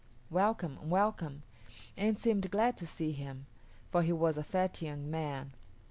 (welcome, welcome!) and seemed glad to see him, for he was a fat young man.